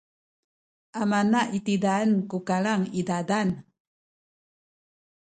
amana itizaen ku kilang i zazan.